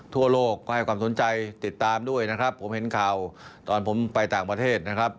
ทั่วโลกก็ให้ความสนใจติดตามด้วยนะครับผมเห็นข่าวตอนผมไปต่างประเทศนะครับ